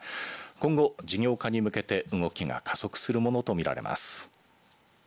今後事業化に向けて動きが加速するものとみられます。